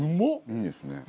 いいですね。